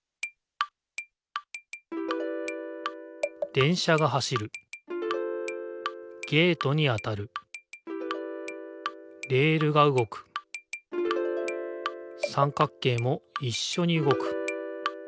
電車が走るゲートに当たるレールがうごく三角形もいっしょにうごく。